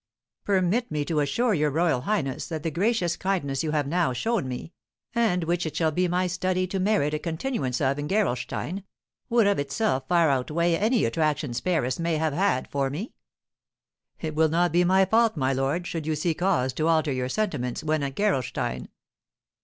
"Permit me to assure your royal highness that the gracious kindness you have now shown me, and which it shall be my study to merit a continuance of in Gerolstein, would of itself far outweigh any attractions Paris may have had for me." "It will not be my fault, my lord, should you see cause to alter your sentiments when at Gerolstein."